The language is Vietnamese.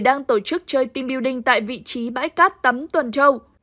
đang tổ chức chơi team building tại vị trí bãi cát tắm tuần châu